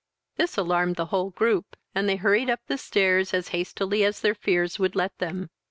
This alarmed the whole group, and they hurried up the stairs as hastily as their fears would let them.